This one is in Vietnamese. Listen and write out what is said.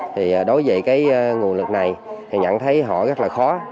thì đối với cái nguồn lực này thì nhận thấy họ rất là khó